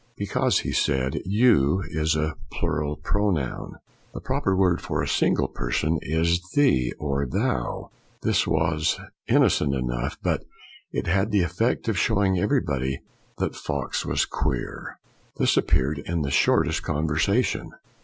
Because, he said, " you ' is a plural pronoun. The proper word for a single person is " thee ' or " thou. r This was innocent enough, but it had the effect of showing everybody that Fox was queer. That appeared in the shortest conversation.